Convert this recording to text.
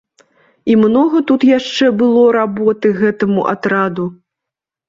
І многа тут яшчэ было работы гэтаму атраду.